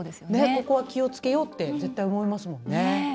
ここは気をつけようって絶対思いますよね。